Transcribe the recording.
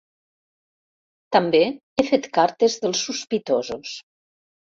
També he fet cartes dels sospitosos.